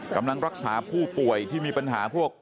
กำลังรักษาผู้ป่วยที่มีปัญหาพวก